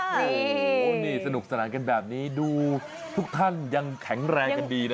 นี่นี่สนุกสนับแบบนี้ดูทุกท่านยังแข็งแรงกันดีนะครับ